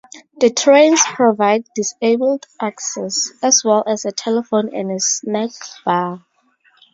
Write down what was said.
The trains provide disabled access, as well as a telephone and a snack bar.